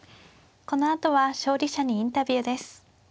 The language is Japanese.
このあとは勝利者にインタビューです。